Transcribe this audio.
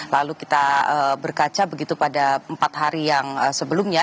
lalu kita berkaca begitu pada empat hari yang sebelumnya